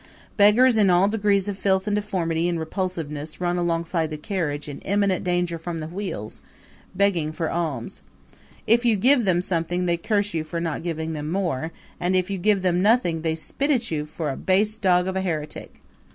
Beggars in all degrees of filth and deformity and repulsiveness run alongside the carriage in imminent danger from the wheels, begging for alms. If you give them something they curse you for not giving them more, and if you give them nothing they spit at you for a base dog of a heretic.